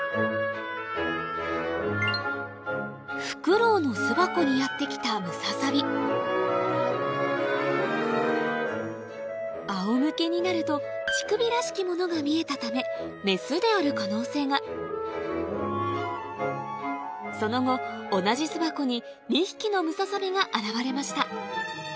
フクロウの巣箱にやって来たムササビあおむけになると乳首らしきものが見えたためその後同じ巣箱に２匹のムササビが現れました